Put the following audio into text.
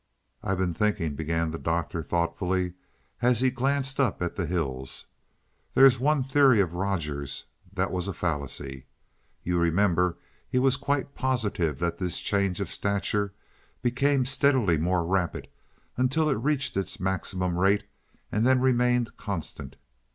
"I've been thinking," began the Doctor thoughtfully as he glanced up at the hills. "There's one theory of Rogers's that was a fallacy. You remember he was quite positive that this change of stature became steadily more rapid, until it reached its maximum rate and then remained constant.